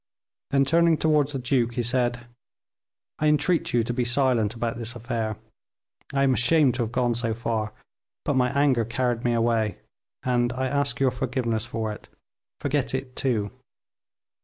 Then, turning towards the duke, he said, "I entreat you to be silent about this affair; I am ashamed to have gone so far, but my anger carried me away, and I ask your forgiveness for it; forget it, too."